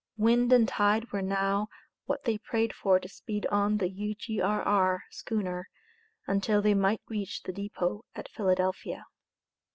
Wind and tide were now what they prayed for to speed on the U.G.R.R. schooner, until they might reach the depot at Philadelphia.